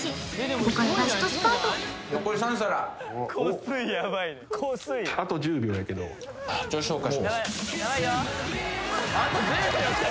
ここからラストスパートあと１０秒やけどちょい消化します